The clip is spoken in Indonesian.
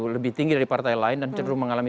lebih tinggi dari partai lain dan cenderung mengalami